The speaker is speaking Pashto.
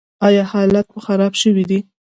ایا حالت مو خراب شوی دی؟